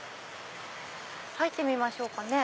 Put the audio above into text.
入ってみましょうかね。